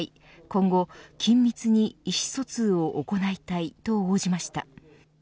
今後、緊密に意思疎通を行いたいと応じました。